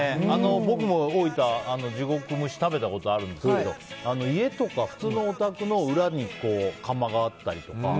僕も大分、地獄蒸し食べたことあるんですけど家とか、普通のお宅の裏に釜があったりとか。